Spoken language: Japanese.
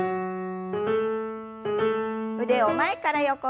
腕を前から横に。